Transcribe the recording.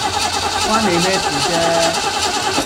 關你咩事啫？